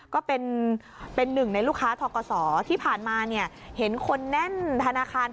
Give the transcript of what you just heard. ก็เป็นหนึ่งในลูกค้าทกศที่ผ่านมาเนี่ยเห็นคนแน่นธนาคาร